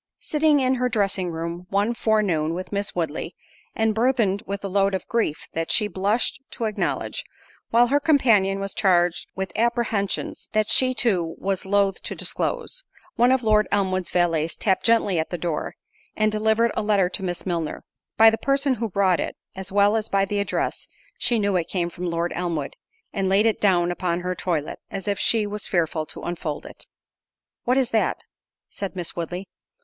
Sitting in her dressing room one forenoon with Miss Woodley, and burthened with a load of grief that she blushed to acknowledge, while her companion was charged with apprehensions that she too was loath to disclose, one of Lord Elmwood's valets tapped gently at the door, and delivered a letter to Miss Milner. By the person who brought it, as well as by the address, she knew it came from Lord Elmwood, and laid it down upon her toilet, as if she was fearful to unfold it. "What is that?" said Miss Woodley.